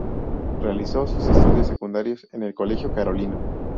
Realizó sus estudios secundarios en el Colegio Carolino.